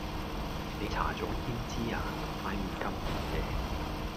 你搽左胭脂呀？塊臉咁紅嘅